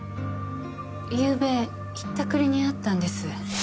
ゆうべひったくりに遭ったんです。